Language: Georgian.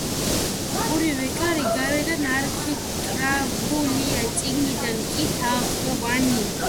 ორივე კარი გარედან არქიტრავულია, შიგნიდან კი თაღოვანი.